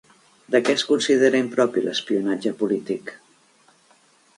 De què es considera impropi l'espionatge polític?